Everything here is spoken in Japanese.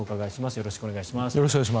よろしくお願いします。